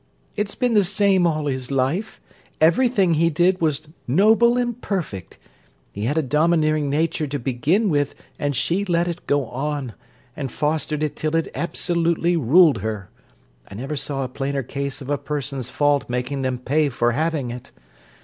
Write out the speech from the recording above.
It's been the same all his life: everything he did was noble and perfect. He had a domineering nature to begin with, and she let it go on, and fostered it till it absolutely ruled her. I never saw a plainer case of a person's fault making them pay for having it!